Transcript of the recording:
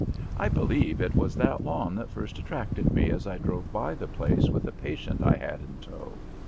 I believe it was that lawn that first attracted me as I drove by the place with a patient I had in tow.